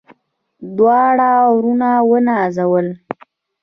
دواړه وروڼه ونازول.